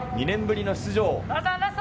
２年ぶりの出場。